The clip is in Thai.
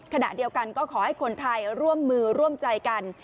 ขณะเดียวกันก็ขอให้คนไทยร่วมมือร่วมใจกัน